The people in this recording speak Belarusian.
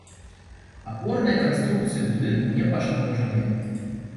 Апорныя канструкцыі будынка не пашкоджаныя.